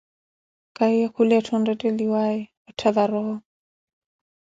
Kahiye kula etthu onretteliwaaya oottha varoho.